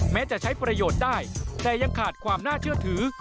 แม้จะใช้ประโยชน์ได้แต่ยังขาดความน่าเชื่อถือ